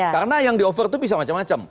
karena yang di offer itu bisa macam macam